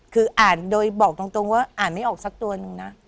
คืออ่านโดยบอกตรงว่าอ่านไม่ออกสักตัวหนึ่งนะ